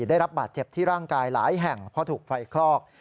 ได้รับบาดเจ็บที่ร่างกายหลายแห่งเพราะถูกไฟคลอก